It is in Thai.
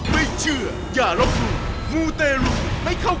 ดีครับผมโชคดีครับ